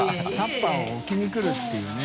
容器を置きに来るっていうね。